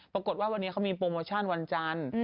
ปรากฏว่าวันนี้เขามีโปรโมชั่นวันจันทร์